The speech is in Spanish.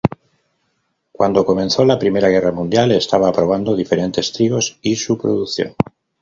Cuando comenzó la Primera Guerra Mundial estaba probando diferentes trigos y su producción.